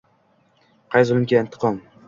Qay zulmiga intiqom —